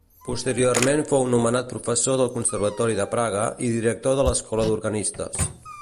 Posteriorment fou nomenat professor del Conservatori de Praga i director de l'escola d'Organistes.